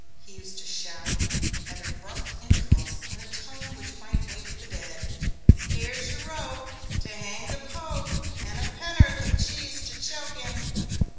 He used to shout, at abrupt intervals, in a tone which might wake the dead: Here's your rope .... To hang the Pope .... And a penn'orth of cheese to choke him.